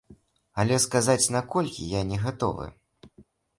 Але сказаць, на колькі, я не гатовы.